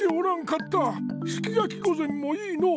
すき焼き御膳もいいのう。